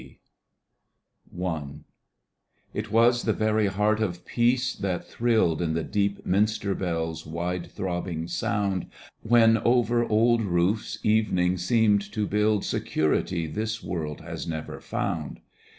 I It was the very heart of Peace that thrilled In the deep minster bell's wide throbbing sound When over old roofs evening seemed to build. Security this world has never found.